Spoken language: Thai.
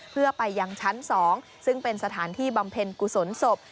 เพื่อไปยังชั้น๒ซึ่งเป็นสถานที่บำเพ็ญกุศลศพ